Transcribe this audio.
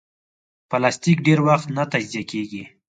پلاستيک ډېر وخت نه تجزیه کېږي.